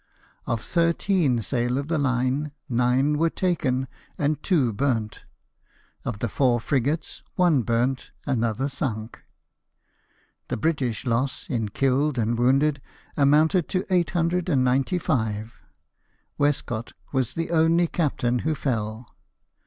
Of thirteen sail of the line, nine were taken and two burnt ; of the four frigates, one burnt, another sunk. The British loss in killed and wounded amounted to 895. Westcott was the only captain who fell.